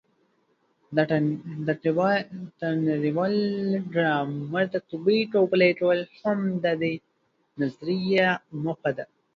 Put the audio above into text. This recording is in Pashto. د نړیوال ګرامر تطبیق او پلي کول هم د دې نظریې موخه ده.